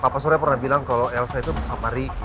papa surya pernah bilang kalau elsa itu bersama ricky